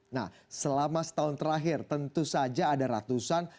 nah selama setahun terakhir tentu saja ada ratusan